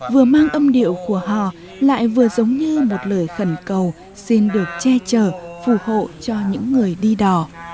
vừa mang âm điệu của họ lại vừa giống như một lời khẩn cầu xin được che chở phù hộ cho những người đi đò